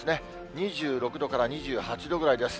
２６度から２８度くらいです。